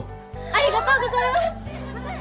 ありがとうございます。